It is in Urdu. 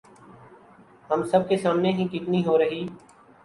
ہم سب کے سامنے ہے کتنی ہو رہی